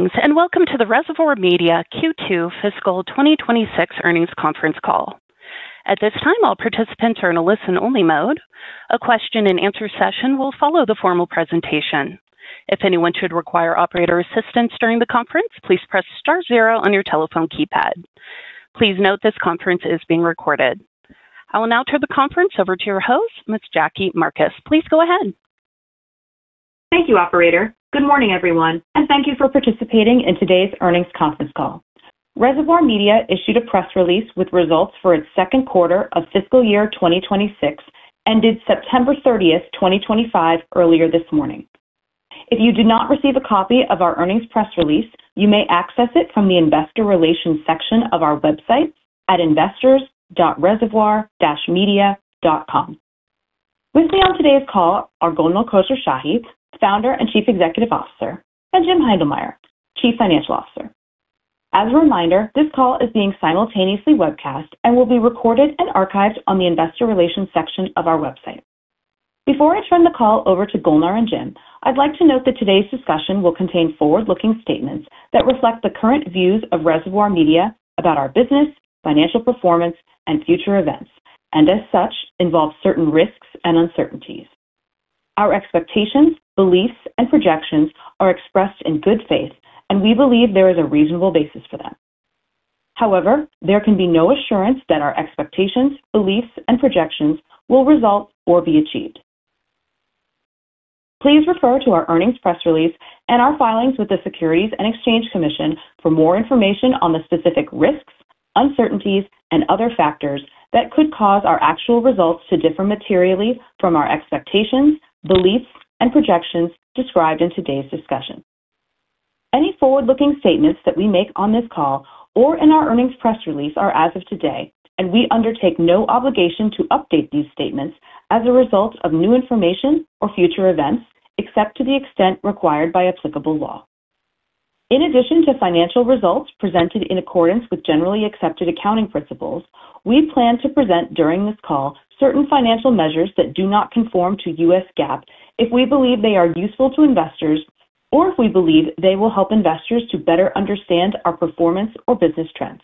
Welcome to the Reservoir Media Q2 Fiscal 2026 Earnings Conference Call. At this time, all participants are in a listen-only mode. A question-and-answer session will follow the formal presentation. If anyone should require operator assistance during the conference, please press star zero on your telephone keypad. Please note this conference is being recorded. I will now turn the conference over to your host, Ms. Jackie Marcus. Please go ahead. Thank you, Operator. Good morning, everyone, and thank you for participating in today's earnings conference call. Reservoir Media issued a press release with results for its second quarter of fiscal year 2026 ended September 30, 2025, earlier this morning. If you did not receive a copy of our earnings press release, you may access it from the investor relations section of our website at investors.reservoir-media.com. With me on today's call are Golnar Khosrowshahi, Founder and Chief Executive Officer, and Jim Heindlmeyer, Chief Financial Officer. As a reminder, this call is being simultaneously webcast and will be recorded and archived on the investor relations section of our website. Before I turn the call over to Golnar and Jim, I'd like to note that today's discussion will contain forward-looking statements that reflect the current views of Reservoir Media about our business, financial performance, and future events, and as such involve certain risks and uncertainties. Our expectations, beliefs, and projections are expressed in good faith, and we believe there is a reasonable basis for them. However, there can be no assurance that our expectations, beliefs, and projections will result or be achieved. Please refer to our earnings press release and our filings with the Securities and Exchange Commission for more information on the specific risks, uncertainties, and other factors that could cause our actual results to differ materially from our expectations, beliefs, and projections described in today's discussion. Any forward-looking statements that we make on this call or in our earnings press release are as of today, and we undertake no obligation to update these statements as a result of new information or future events, except to the extent required by applicable law. In addition to financial results presented in accordance with generally accepted accounting principles, we plan to present during this call certain financial measures that do not conform to U.S. GAAP if we believe they are useful to investors or if we believe they will help investors to better understand our performance or business trends.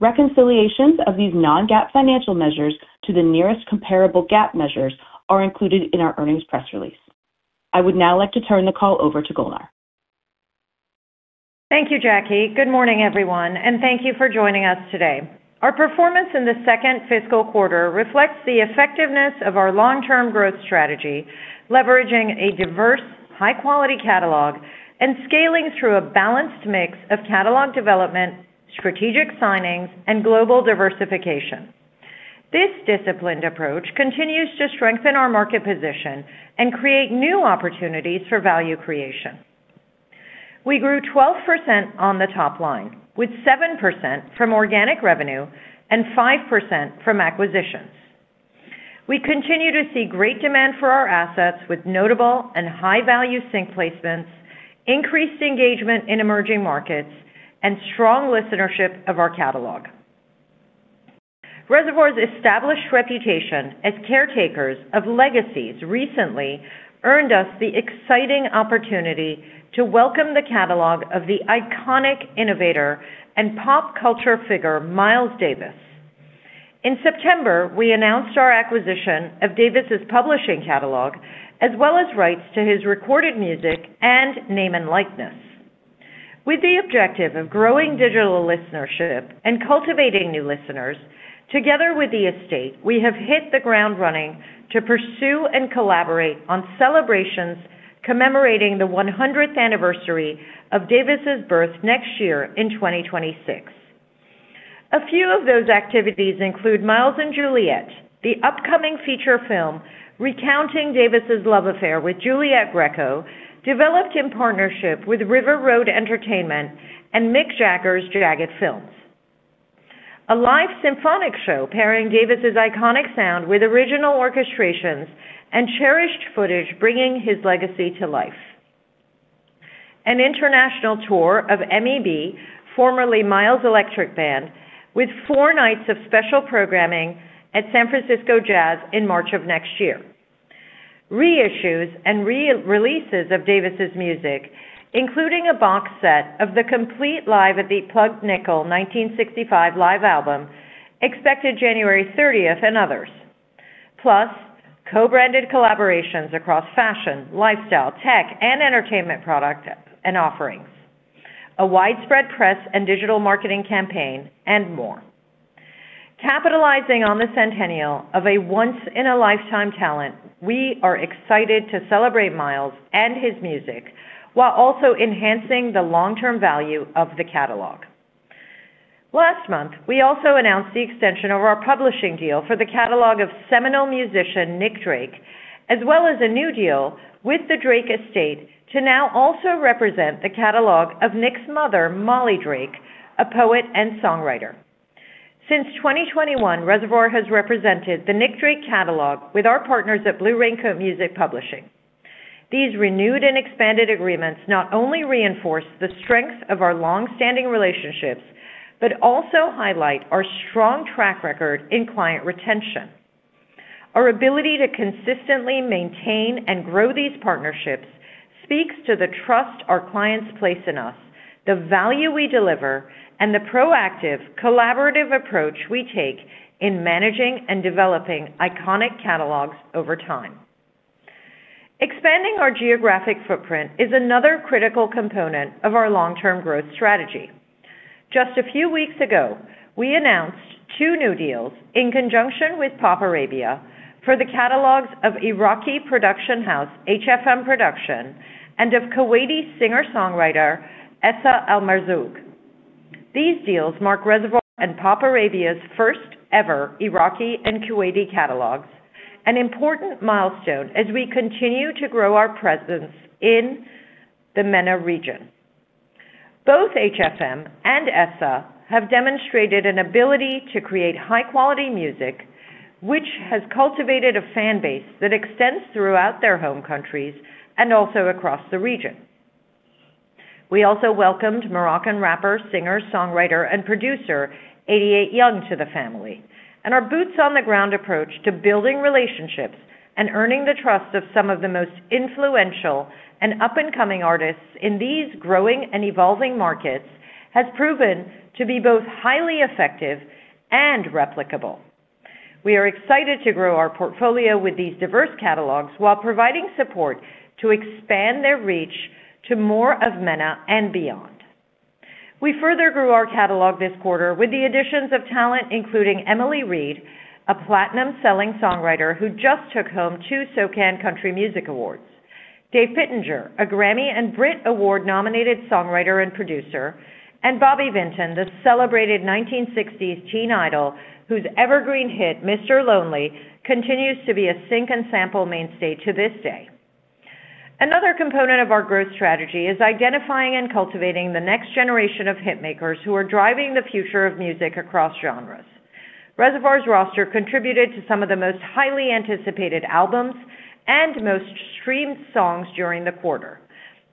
Reconciliations of these non-GAAP financial measures to the nearest comparable GAAP measures are included in our earnings press release. I would now like to turn the call over to Golnar. Thank you, Jackie. Good morning, everyone, and thank you for joining us today. Our performance in the second fiscal quarter reflects the effectiveness of our long-term growth strategy, leveraging a diverse, high-quality catalog and scaling through a balanced mix of catalog development, strategic signings, and global diversification. This disciplined approach continues to strengthen our market position and create new opportunities for value creation. We grew 12% on the top line, with 7% from organic revenue and 5% from acquisitions. We continue to see great demand for our assets with notable and high-value sync placements, increased engagement in emerging markets, and strong listenership of our catalog. Reservoir's established reputation as caretakers of legacies recently earned us the exciting opportunity to welcome the catalog of the iconic innovator and pop culture figure, Miles Davis. In September, we announced our acquisition of Davis's publishing catalog as well as rights to his recorded music and name and likeness. With the objective of growing digital listenership and cultivating new listeners, together with the estate, we have hit the ground running to pursue and collaborate on celebrations commemorating the 100th anniversary of Davis's birth next year in 2026. A few of those activities include Miles & Juliette, the upcoming feature film recounting Davis's love affair with Juliette Gréco, developed in partnership with River Road Entertainment and Mick Jagger's Jagged Films. A live symphonic show pairing Davis's iconic sound with original orchestrations and cherished footage bringing his legacy to life. An international tour of MEB, formerly Miles Electric Band, with four nights of special programming at San Francisco Jazz in March of next year. Reissues and releases of Davis's music, including a box set of the complete live at the Plugged Nickel 1965 Live Album expected January 30 and others, plus co-branded collaborations across fashion, lifestyle, tech, and entertainment product and offerings, a widespread press and digital marketing campaign, and more. Capitalizing on the centennial of a once-in-a-lifetime talent, we are excited to celebrate Miles and his music while also enhancing the long-term value of the catalog. Last month, we also announced the extension of our publishing deal for the catalog of seminal musician Nick Drake, as well as a new deal with the Drake estate to now also represent the catalog of Nick's mother, Molly Drake, a poet and songwriter. Since 2021, Reservoir has represented the Nick Drake catalog with our partners at Blue Raincoat Music Publishing. These renewed and expanded agreements not only reinforce the strength of our longstanding relationships but also highlight our strong track record in client retention. Our ability to consistently maintain and grow these partnerships speaks to the trust our clients place in us, the value we deliver, and the proactive, collaborative approach we take in managing and developing iconic catalogs over time. Expanding our geographic footprint is another critical component of our long-term growth strategy. Just a few weeks ago, we announced two new deals in conjunction with PopArabia for the catalogs of Iraqi production house HFM Production and of Kuwaiti singer-songwriter Essa Al Marzouq. These deals mark Reservoir and PopArabia's first-ever Iraqi and Kuwaiti catalogs, an important milestone as we continue to grow our presence in the MENA region. Both HFM and Essa have demonstrated an ability to create high-quality music, which has cultivated a fan base that extends throughout their home countries and also across the region. We also welcomed Moroccan rapper, singer, songwriter, and producer 88 Young to the family, and our boots-on-the-ground approach to building relationships and earning the trust of some of the most influential and up-and-coming artists in these growing and evolving markets has proven to be both highly effective and replicable. We are excited to grow our portfolio with these diverse catalogs while providing support to expand their reach to more of MENA and beyond. We further grew our catalog this quarter with the additions of talent including Emily Reid, a platinum-selling songwriter who just took home two SOCAN Country Music Awards, Dave Pittenger, a Grammy and Brit Award-nominated songwriter and producer, and Bobby Vinton, the celebrated 1960s teen idol whose evergreen hit "Mr. Lonely" continues to be a sync and sample mainstay to this day. Another component of our growth strategy is identifying and cultivating the next generation of hit makers who are driving the future of music across genres. Reservoir's roster contributed to some of the most highly anticipated albums and most streamed songs during the quarter,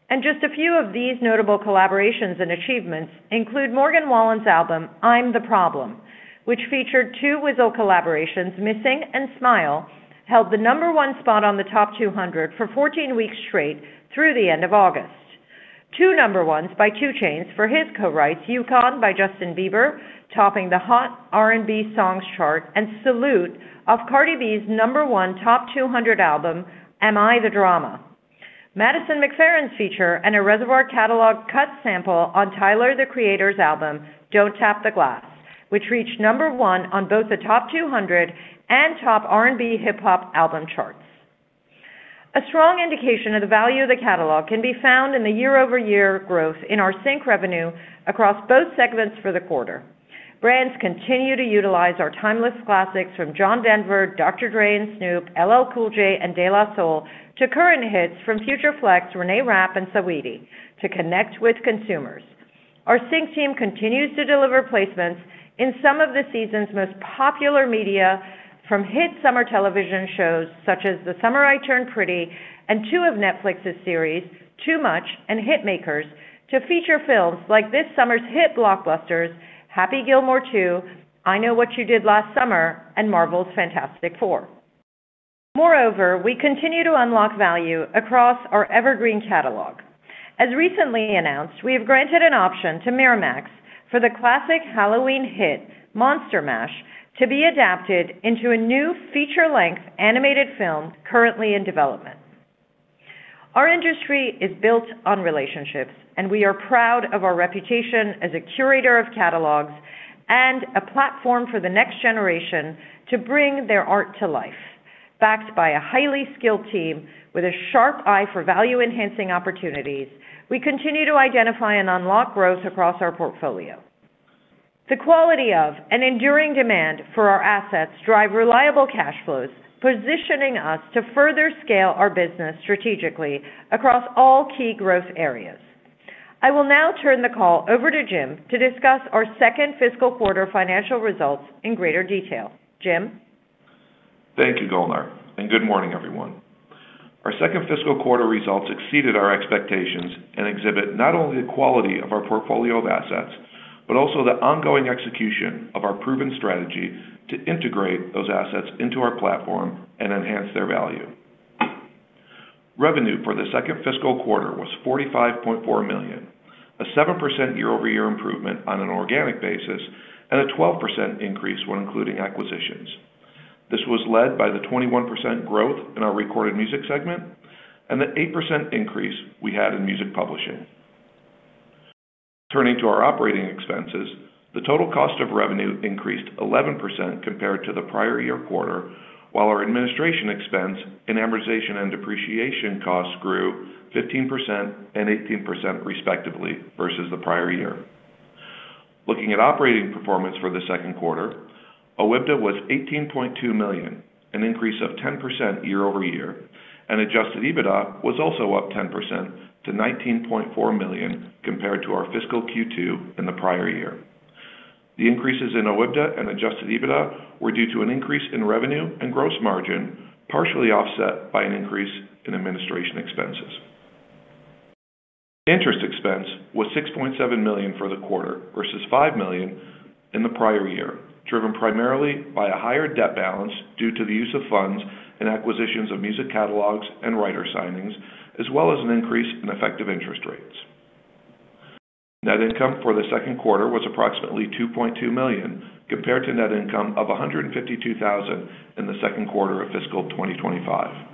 and just a few of these notable collaborations and achievements include Morgan Wallen's album "I'm the Problem," which featured two Reservoir collaborations, "Missing" and "Smile," held the number one spot on the top 200 for 14 weeks straight through the end of August. Two number ones by 2 Chainz for his co-writes "Yukon" by Justin Bieber, topping the hot R&B songs chart, and "Salute" off Cardi B's number one top 200 album, "Am I the Drama?" Madison McFerrin's feature and a Reservoir catalog cut sample on Tyler, the Creator's album "Don't Tap the Glass," which reached number one on both the top 200 and top R&B hip hop album charts. A strong indication of the value of the catalog can be found in the year-over-year growth in our sync revenue across both segments for the quarter. Brands continue to utilize our timeless classics from John Denver, Dr. Dre and Snoop, LL Cool J, and De La Soul to current hits from Future Flex, Reneé Rapp, and Saweetie to connect with consumers. Our sync team continues to deliver placements in some of the season's most popular media from hit summer television shows such as "The Summer I Turned Pretty" and two of Netflix's series, "Too Much" and "Hitmakers," to feature films like this summer's hit blockbusters, "Happy Gilmore 2," "I Know What You Did Last Summer," and "Marvel's Fantastic Four." Moreover, we continue to unlock value across our evergreen catalog. As recently announced, we have granted an option to Miramax for the classic Halloween hit "Monster Mash" to be adapted into a new feature-length animated film currently in development. Our industry is built on relationships, and we are proud of our reputation as a curator of catalogs and a platform for the next generation to bring their art to life. Backed by a highly skilled team with a sharp eye for value-enhancing opportunities, we continue to identify and unlock growth across our portfolio. The quality of and enduring demand for our assets drive reliable cash flows, positioning us to further scale our business strategically across all key growth areas. I will now turn the call over to Jim to discuss our second fiscal quarter financial results in greater detail. Jim. Thank you, Golnar, and good morning, everyone. Our second fiscal quarter results exceeded our expectations and exhibit not only the quality of our portfolio of assets but also the ongoing execution of our proven strategy to integrate those assets into our platform and enhance their value. Revenue for the second fiscal quarter was $45.4 million, a 7% year-over-year improvement on an organic basis, and a 12% increase when including acquisitions. This was led by the 21% growth in our recorded music segment and the 8% increase we had in music publishing. Turning to our operating expenses, the total cost of revenue increased 11% compared to the prior year quarter, while our administration expense in amortization and depreciation costs grew 15% and 18% respectively versus the prior year. Looking at operating performance for the second quarter, OIBDA was $18.2 million, an increase of 10% year-over-year, and adjusted EBITDA was also up 10% to $19.4 million compared to our fiscal Q2 in the prior year. The increases in OIBDA and adjusted EBITDA were due to an increase in revenue and gross margin, partially offset by an increase in administration expenses. Interest expense was $6.7 million for the quarter versus $5 million in the prior year, driven primarily by a higher debt balance due to the use of funds and acquisitions of music catalogs and writer signings, as well as an increase in effective interest rates. Net income for the second quarter was approximately $2.2 million compared to net income of $152,000 in the second quarter of fiscal 2025.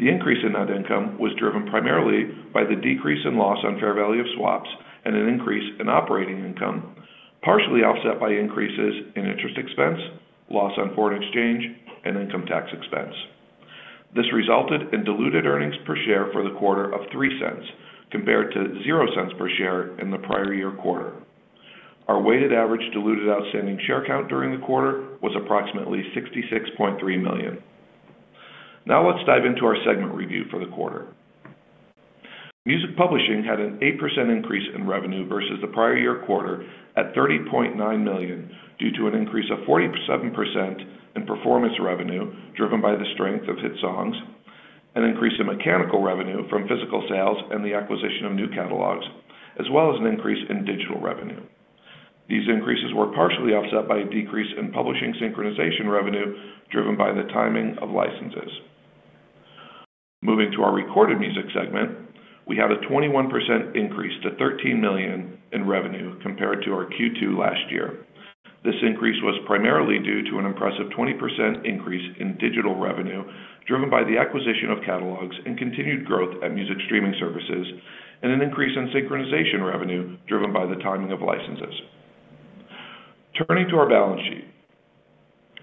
The increase in net income was driven primarily by the decrease in loss on fair value of swaps and an increase in operating income, partially offset by increases in interest expense, loss on foreign exchange, and income tax expense. This resulted in diluted earnings per share for the quarter of $0.03 compared to $0.00 per share in the prior year quarter. Our weighted average diluted outstanding share count during the quarter was approximately 66.3 million. Now let's dive into our segment review for the quarter. Music publishing had an 8% increase in revenue versus the prior year quarter at $30.9 million due to an increase of 47% in performance revenue driven by the strength of hit songs, an increase in mechanical revenue from physical sales, and the acquisition of new catalogs, as well as an increase in digital revenue. These increases were partially offset by a decrease in publishing synchronization revenue driven by the timing of licenses. Moving to our recorded music segment, we had a 21% increase to $13 million in revenue compared to our Q2 last year. This increase was primarily due to an impressive 20% increase in digital revenue driven by the acquisition of catalogs and continued growth at music streaming services, and an increase in synchronization revenue driven by the timing of licenses. Turning to our balance sheet.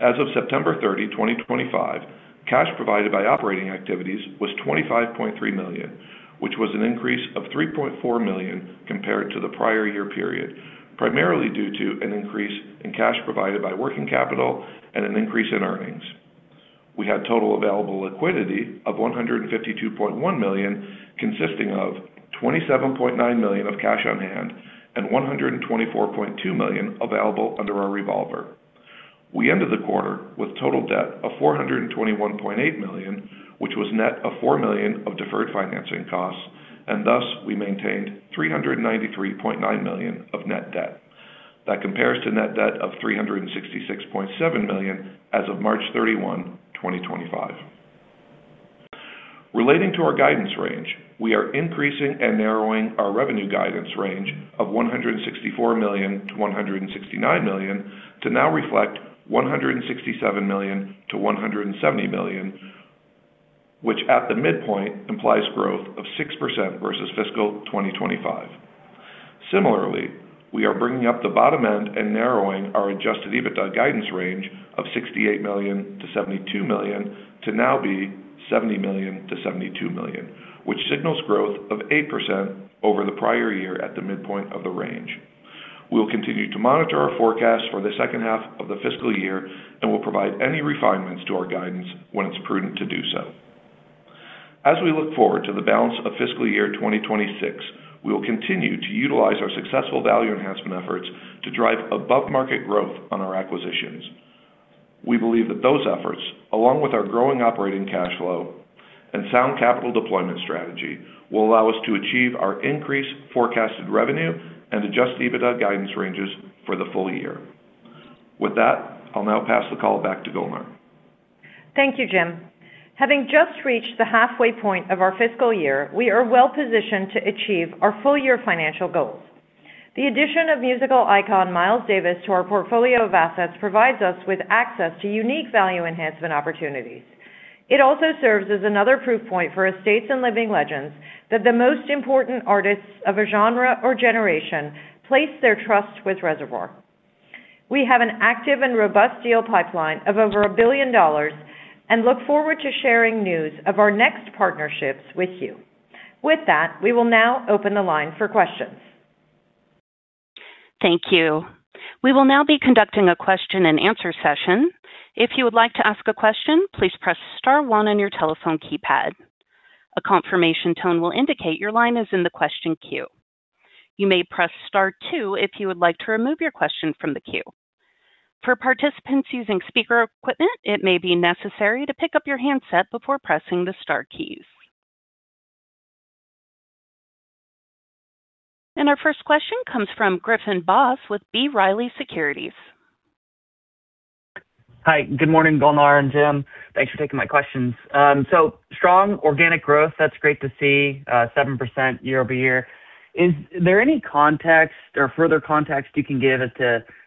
As of September 30, 2025, cash provided by operating activities was $25.3 million, which was an increase of $3.4 million compared to the prior year period, primarily due to an increase in cash provided by working capital and an increase in earnings. We had total available liquidity of $152.1 million, consisting of $27.9 million of cash on hand and $124.2 million available under our revolver. We ended the quarter with total debt of $421.8 million, which was net of $4 million of deferred financing costs, and thus we maintained $393.9 million of net debt. That compares to net debt of $366.7 million as of March 31, 2025. Relating to our guidance range, we are increasing and narrowing our revenue guidance range of $164 million-$169 million to now reflect $167 million-$170 million, which at the midpoint implies growth of 6% versus fiscal 2025. Similarly, we are bringing up the bottom end and narrowing our adjusted EBITDA guidance range of $68 million-$72 million to now be $70 million-$72 million, which signals growth of 8% over the prior year at the midpoint of the range. We will continue to monitor our forecast for the second half of the fiscal year and will provide any refinements to our guidance when it's prudent to do so. As we look forward to the balance of fiscal year 2026, we will continue to utilize our successful value enhancement efforts to drive above-market growth on our acquisitions. We believe that those efforts, along with our growing operating cash flow and sound capital deployment strategy, will allow us to achieve our increased forecasted revenue and adjusted EBITDA guidance ranges for the full year. With that, I'll now pass the call back to Golnar. Thank you, Jim. Having just reached the halfway point of our fiscal year, we are well positioned to achieve our full-year financial goals. The addition of musical icon Miles Davis to our portfolio of assets provides us with access to unique value enhancement opportunities. It also serves as another proof point for estates and living legends that the most important artists of a genre or generation place their trust with Reservoir. We have an active and robust deal pipeline of over $1 billion and look forward to sharing news of our next partnerships with you. With that, we will now open the line for questions. Thank you. We will now be conducting a question-and-answer session. If you would like to ask a question, please press star one on your telephone keypad. A confirmation tone will indicate your line is in the question queue. You may press star two if you would like to remove your question from the queue. For participants using speaker equipment, it may be necessary to pick up your handset before pressing the star keys. And our first question comes from Griffin Boss with B. Riley Securities. Hi. Good morning, Golnar and Jim. Thanks for taking my questions. So strong organic growth, that's great to see, 7% year-over-year. Is there any context or further context you can give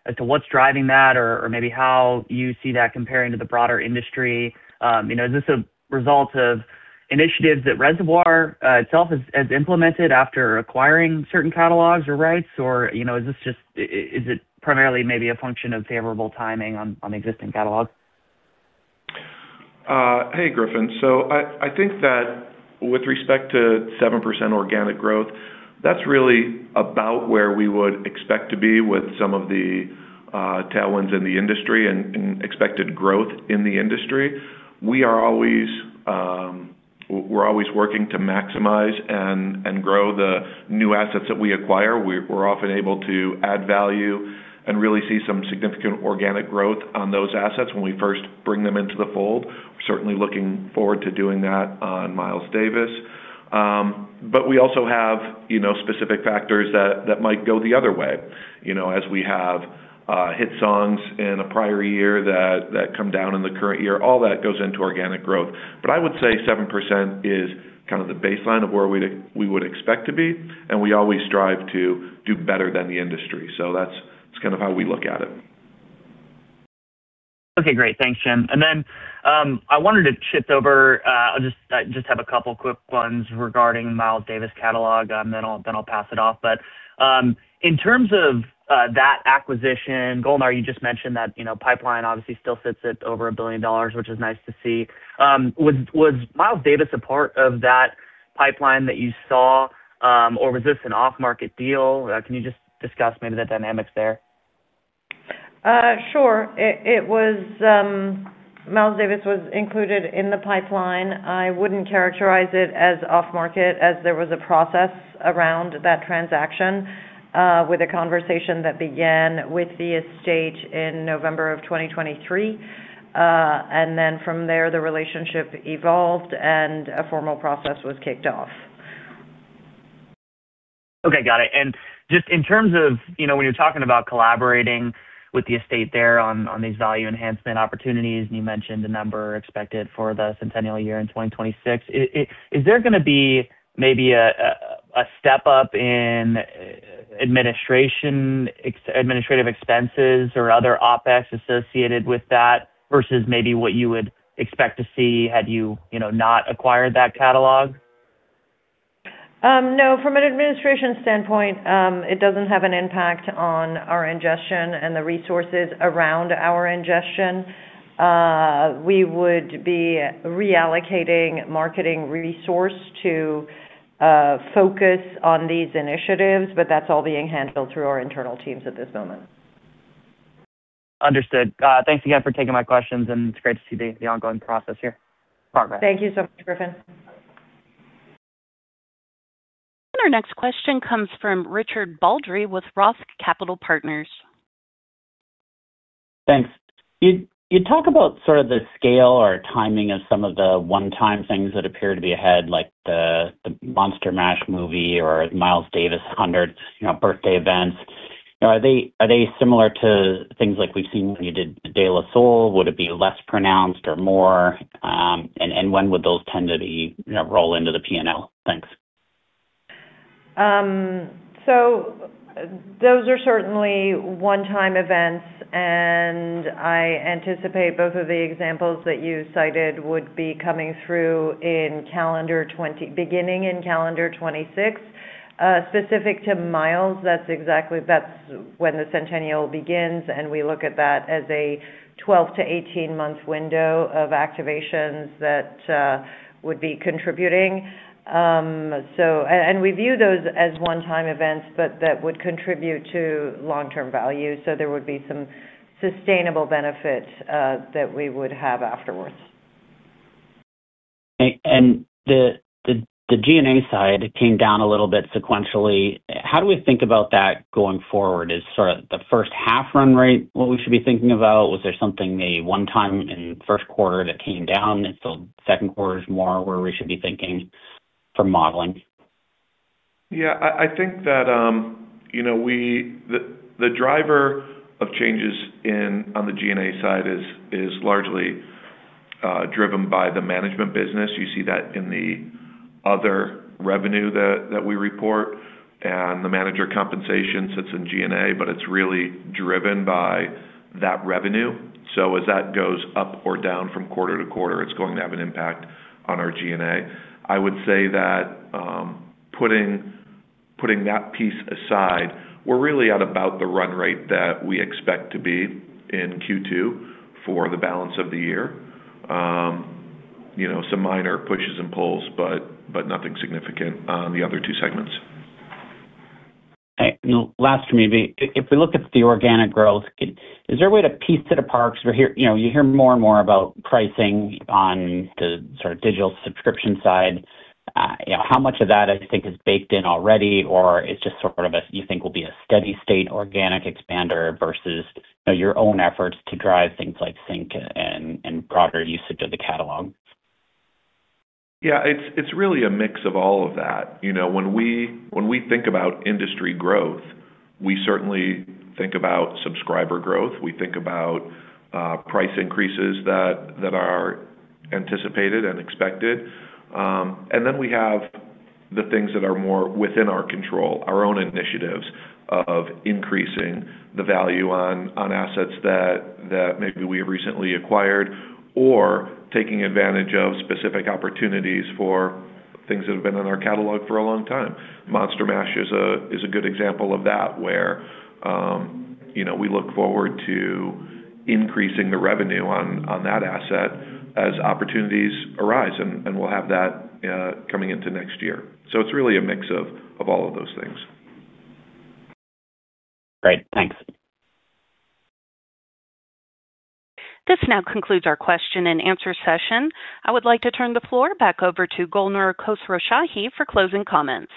as to what's driving that or maybe how you see that comparing to the broader industry? Is this a result of initiatives that Reservoir itself has implemented after acquiring certain catalogs or rights, or is this just, is it primarily maybe a function of favorable timing on existing catalogs? Hey, Griffin. So I think that with respect to 7% organic growth, that's really about where we would expect to be with some of the talents in the industry and expected growth in the industry. We are always working to maximize and grow the new assets that we acquire. We're often able to add value and really see some significant organic growth on those assets when we first bring them into the fold. We're certainly looking forward to doing that on Miles Davis. But we also have specific factors that might go the other way. As we have hit songs in a prior year that come down in the current year, all that goes into organic growth. But I would say 7% is kind of the baseline of where we would expect to be, and we always strive to do better than the industry. So that's kind of how we look at it. Okay. Great. Thanks, Jim. And then I wanted to shift over. I just have a couple of quick ones regarding Miles Davis catalog, then I'll pass it off but in terms of that acquisition, Golnar, you just mentioned that pipeline obviously still sits at over $1 billion, which is nice to see. Was Miles Davis a part of that pipeline that you saw, or was this an off-market deal? Can you just discuss maybe the dynamics there? Sure. Miles Davis was included in the pipeline. I wouldn't characterize it as off-market as there was a process around that transaction with a conversation that began with the estate in November of 2023, and then from there, the relationship evolved and a formal process was kicked off. Okay. Got it. And just in terms of when you're talking about collaborating with the estate there on these value enhancement opportunities, and you mentioned the number expected for the centennial year in 2026, is there going to be maybe a step up in administrative expenses or other OpEx associated with that versus maybe what you would expect to see had you not acquired that catalog? No. From an administration standpoint, it doesn't have an impact on our ingestion and the resources around our ingestion. We would be reallocating marketing resource to focus on these initiatives, but that's all being handled through our internal teams at this moment. Understood. Thanks again for taking my questions, and it's great to see the ongoing progress here. Thank you so much, Griffin. Our next question comes from Richard Baldry with Roth Capital Partners. Thanks. You talk about sort of the scale or timing of some of the one-time things that appear to be ahead, like the Monster Mash movie or Miles Davis 100 birthday events. Are they similar to things like we've seen when you did De La Soul? Would it be less pronounced or more? And when would those tend to roll into the P&L? Thanks. So. Those are certainly one-time events, and I anticipate both of the examples that you cited would be coming through in, beginning in calendar 2026. Specific to Miles, that's exactly when the centennial begins, and we look at that as a 12 to 18-month window of activations that would be contributing. And we view those as one-time events, but that would contribute to long-term value. So there would be some sustainable benefit that we would have afterwards. The G&A side came down a little bit sequentially. How do we think about that going forward? Is sort of the first half run rate what we should be thinking about? Was there something maybe one-time in the first quarter that came down until second quarter is more where we should be thinking from modeling? Yeah. I think that the driver of changes on the G&A side is largely driven by the management business. You see that in the other revenue that we report. And the manager compensation sits in G&A, but it's really driven by that revenue. So as that goes up or down from quarter to quarter, it's going to have an impact on our G&A. I would say that putting that piece aside, we're really at about the run rate that we expect to be in Q2 for the balance of the year. Some minor pushes and pulls, but nothing significant on the other two segments. Okay. Last for me, if we look at the organic growth, is there a way to piece it apart? Because you hear more and more about pricing on the sort of digital subscription side. How much of that, I think, is baked in already, or it's just sort of a, you think, will be a steady-state organic expander versus your own efforts to drive things like sync and broader usage of the catalog? Yeah. It's really a mix of all of that. When we think about industry growth, we certainly think about subscriber growth. We think about price increases that are anticipated and expected. And then we have the things that are more within our control, our own initiatives of increasing the value on assets that maybe we have recently acquired or taking advantage of specific opportunities for things that have been in our catalog for a long time. Monster Mash is a good example of that where we look forward to increasing the revenue on that asset as opportunities arise, and we'll have that coming into next year. So it's really a mix of all of those things. Great. Thanks. This now concludes our question-and-answer session. I would like to turn the floor back over to Golnar Khosrowshahi for closing comments.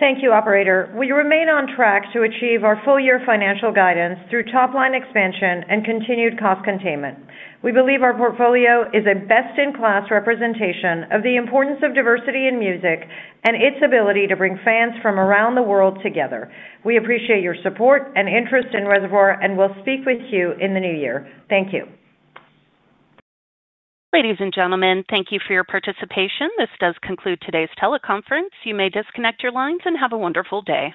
Thank you, Operator. We remain on track to achieve our full-year financial guidance through top-line expansion and continued cost containment. We believe our portfolio is a best-in-class representation of the importance of diversity in music and its ability to bring fans from around the world together. We appreciate your support and interest in Reservoir and will speak with you in the new year. Thank you. Ladies and gentlemen, thank you for your participation. This does conclude today's teleconference. You may disconnect your lines and have a wonderful day.